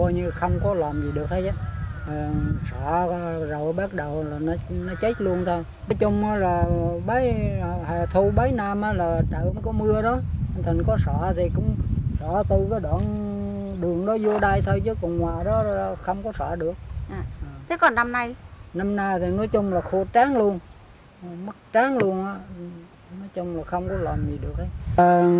năm nay thì nói chung là khô tráng luôn mất tráng luôn nói chung là không có làm gì được